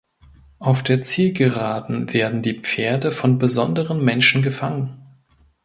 Auf der Zielgeraden werden die Pferde von besonderen Menschen gefangen.